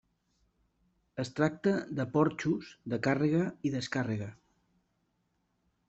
Es tracta de porxos de càrrega i descàrrega.